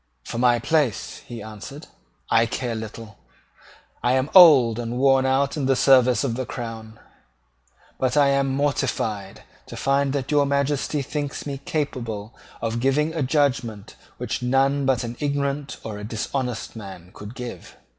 "For my place," he answered, "I care little. I am old and worn out in the service of the crown; but I am mortified to find that your Majesty thinks me capable of giving a judgment which none but an ignorant or a dishonest man could give."